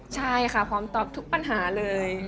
ใช่ค่ะพร้อมตอบทุกปัญหาเลย